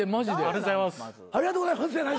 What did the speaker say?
「ありがとうございます」やなしに。